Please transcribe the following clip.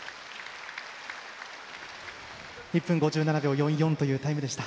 １分５７秒４４というタイムでした。